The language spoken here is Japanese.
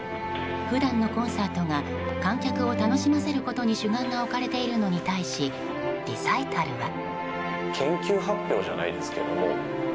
普段のコンサートが観客を楽しませることに主眼が置かれているのに対しリサイタルは。